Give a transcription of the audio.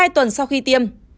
hai tuần sau khi tiêm